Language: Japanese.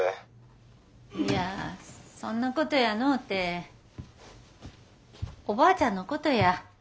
いやそんなことやのうておばあちゃんのことや。